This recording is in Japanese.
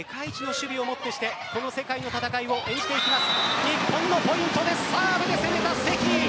世界一の守備をもってしてこの世界の戦いを演じていきます。